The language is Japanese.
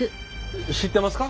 知ってますか？